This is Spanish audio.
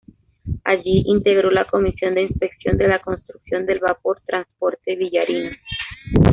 Allí integró la comisión de inspección de la construcción del vapor transporte "Villarino".